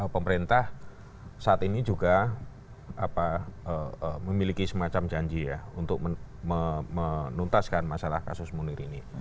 pemerintah saat ini juga memiliki semacam janji ya untuk menuntaskan masalah kasus munir ini